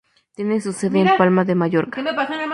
Tiene su sede en Palma de Mallorca.